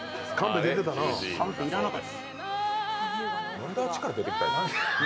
なんであっちから出てきたんや？